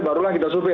barulah kita survei